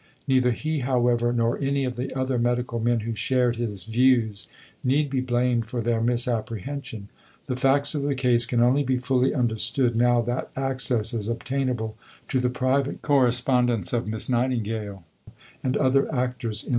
Neither he, however, nor any of the other medical men who shared his views, need be blamed for their misapprehension. The facts of the case can only be fully understood now that access is obtainable to the private correspondence of Miss Nightingale and other actors in the drama.